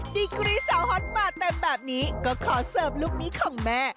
ดีกรีสาวฮอตมาเต็มแบบนี้ก็ขอเสิร์ฟลูกนี้ของแม่